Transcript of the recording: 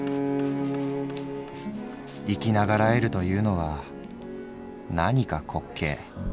「生き長らえるというのはなにか滑稽」。